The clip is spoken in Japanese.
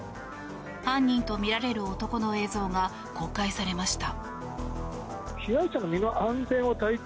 犯人とみられる男の映像が公開されました。